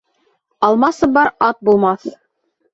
Алма-сыбар ат булмаҫ